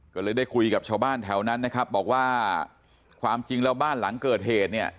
ก็เลยได้คุยกับชาวบ้านแถวนั้นนะครับบอกว่าความจริงแล้วบ้านหลังเกิดเหตุเนี่ย